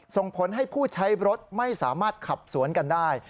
ส่งผลให้ผู้ใช้รถไม่สามารถขับสวนกันได้